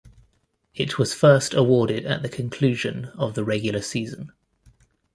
It was first awarded at the conclusion of the regular season.